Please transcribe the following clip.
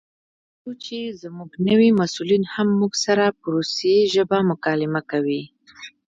پوه شوو چې زموږ نوي مسؤلین هم موږ سره په روسي ژبه مکالمه کوي.